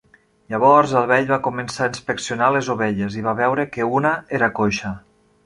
Llavors el vell va començar a inspeccionar les ovelles i va veure que una era coixa.